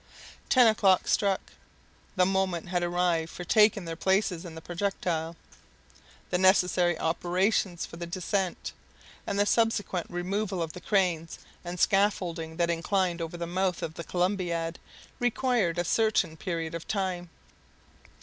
Ten o'clock struck! The moment had arrived for taking their places in the projectile! The necessary operations for the descent, and the subsequent removal of the cranes and scaffolding that inclined over the mouth of the Columbiad, required a certain period of time.